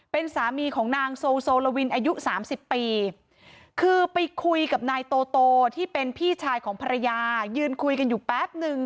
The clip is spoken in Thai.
เป็นสามีของนางโซลาวินอายุสามสิบปีคือไปคุยกับนายโตโตที่เป็นพี่ชายของภรรยายืนคุยกันอยู่แป๊บนึง